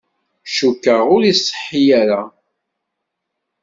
Cukkeɣ ur iṣeḥḥi ara.